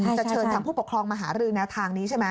จะเชิญทางผู้ปกครองมาหารือแนวทางนี้ใช่ไหม